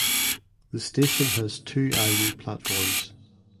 The station has two island platforms.